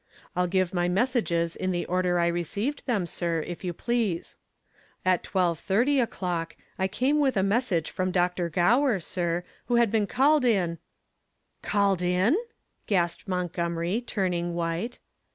I'll give my messages in the order I received them, sir, if you please. At twelve thirty o'clock, I came with a message from Dr. Gower, sir, who had been called in " "Called in?" gasped Montgomery, turning white.